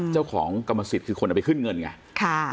เจ้าของกรรมสิทธิ์คือคนเอาไปขึ้นเงินไง